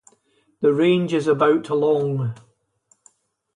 The range is about long.